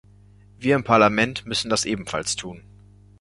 Wir im Parlament müssen das ebenfalls tun.